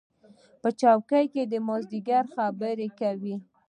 د څوکۍ د مازدیګري خبرې به یې کولې.